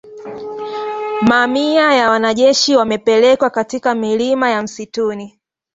Mamia ya wanajeshi wamepelekwa katika milima ya msituni